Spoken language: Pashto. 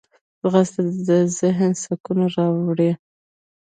ځغاسته د ذهن سکون راوړي